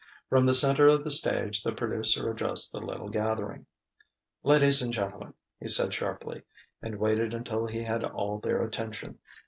From the centre of the stage the producer addressed the little gathering. "Ladies and gentlemen!" he said sharply; and waited until he had all their attention.